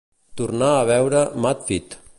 Tornar a veure "MadFit".